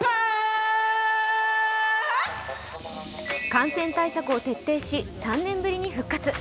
感染対策を徹底し、３年ぶりに復活。